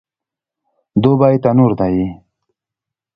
دوبی تنور دی